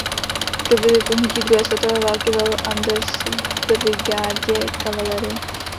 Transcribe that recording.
V době vypuknutí druhé světové války velel Anders brigádě kavalérie.